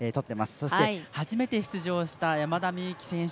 そして初めて出場した山田美由紀選手